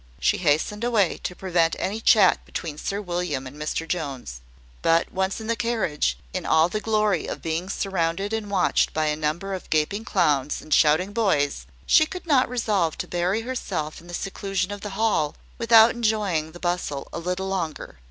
She hastened away, to prevent any chat between Sir William and Mr Jones. But, once in the carriage, in all the glory of being surrounded and watched by a number of gaping clowns and shouting boys, she could not resolve to bury herself in the seclusion of the Hall, without enjoying the bustle a little longer.